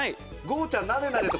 ゴーちゃん。